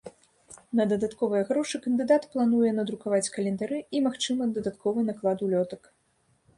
На дадатковыя грошы кандыдат плануе надрукаваць календары і, магчыма, дадатковы наклад улётак.